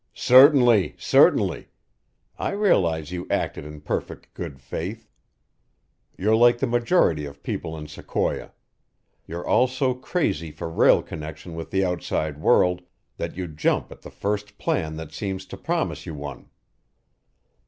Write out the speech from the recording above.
"Certainly, certainly! I realize you acted in perfect good faith. You're like the majority of people in Sequoia. You're all so crazy for rail connection with the outside world that you jump at the first plan that seems to promise you one.